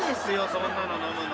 そんなの飲むの。